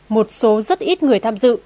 một số rất ít người tham dự